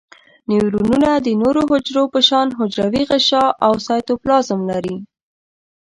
نیورونونه د نورو حجرو په شان حجروي غشاء او سایتوپلازم لري.